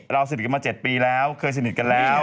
สนิทกันมา๗ปีแล้วเคยสนิทกันแล้ว